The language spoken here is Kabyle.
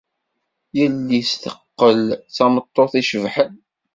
Yelli-s teqqel d tameṭṭut icebḥen.